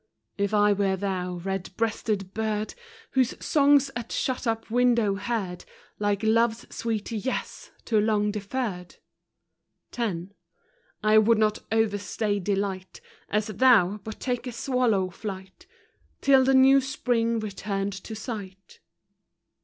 If I were thou, red breasted bird, Whose song's at shut up window heard, Like Love's sweet Yes too long deferred; x. I would not overstay delight, As thou, but take a swallow flight, Till the new spring returned to sight.